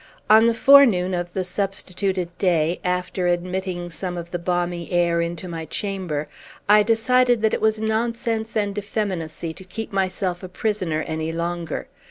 On the forenoon of the substituted day, after admitting some of the balmy air into my chamber, I decided that it was nonsense and effeminacy to keep myself a prisoner any longer.